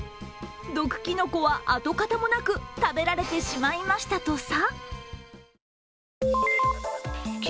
毒きのこは跡形もなく食べられてしまいましたとさ。